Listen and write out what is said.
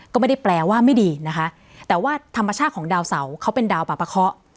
ก็ไม่ได้แปลว่าไม่ดีนะคะแต่ว่าธรรมชาติของดาวเสาเขาเป็นดาวป่าปะเคาะ